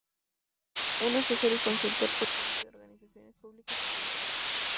Es asesor y consultor frecuente de organizaciones públicas y privadas.